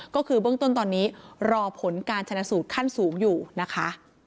ก็คือเบื้องต้นตอนนี้รอผลการชนะสูตรขั้นสูงอยู่นะคะ